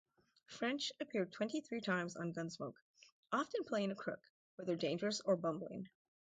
French appeared twenty-three times on "Gunsmoke", often playing a crook, whether dangerous or bumbling.